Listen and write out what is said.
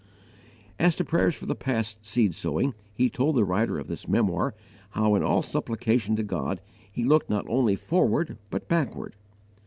As to prayers for past seed sowing, he told the writer of this memoir how in all supplication to God he looked not only forward but _backward.